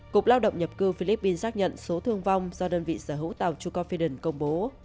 cục lao động nhập cư philippines xác nhận số thương vong do đơn vị sở hữu tàu choco fiden công bố